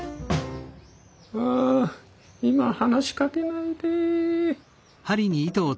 う今話しかけないで。